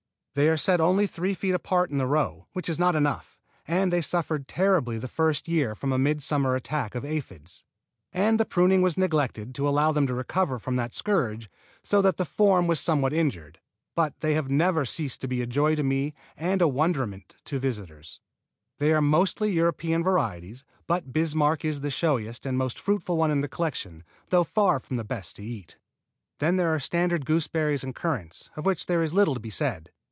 They are set only three feet apart in the row, which is not enough; and they suffered terribly the first year from a midsummer attack of aphides; and the pruning was neglected to allow them to recover from that scourge, so that the form was somewhat injured; but they have never ceased to be a joy to me and a wonderment to visitors. They are mostly of European varieties, but Bismarck is the showiest and most fruitful one in the collection, though far from the best to eat. Then there are standard gooseberries and currants, of which there is little to be said.